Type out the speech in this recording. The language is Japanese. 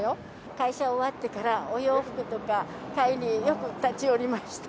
会社終わってから、お洋服とか買いによく立ち寄りました。